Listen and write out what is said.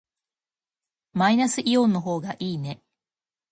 マイナスイオンの方がいいね。